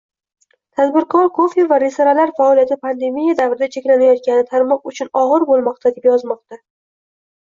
Tadbirkor kafe va restoranlar faoliyati pandemiya davrida cheklanayotgani tarmoq uchun ogʻir boʻlmoqda, deb yozmoqda.